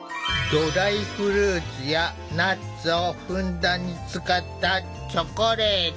ドライフルーツやナッツをふんだんに使ったチョコレート。